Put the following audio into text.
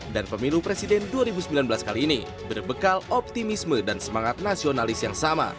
dan pemilu presiden dua ribu sembilan belas kali ini berbekal optimisme dan semangat nasionalis yang sama